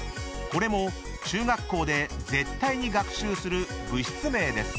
［これも中学校で絶対に学習する物質名です］